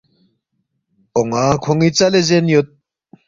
”اون٘ا کھون٘ی ژَلے زین یود